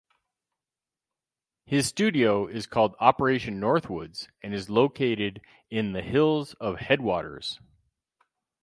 His studio is called Operation Northwoods and is located in The Hills of Headwaters.